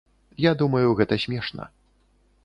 Я думаю, гэта смешна.